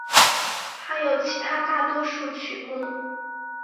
还有其他大多数曲目。